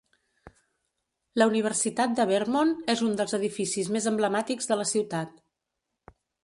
La Universitat de Vermont és un dels edificis més emblemàtics de la ciutat.